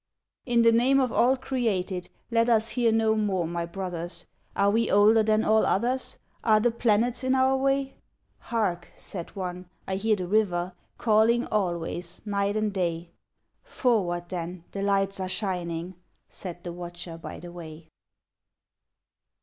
|211 "In the name of all created^ Let us hear no more, my brothers; Are We older than all others? Are the planets in our way?" — "Hark," said one; "I hear the River, Calling always, night and day." — "Forward, then I The lights are shining. Said the Watcher by the Way.